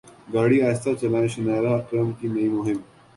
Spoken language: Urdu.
گاڑی اہستہ چلائیں شنیرا اکرم کی نئی مہم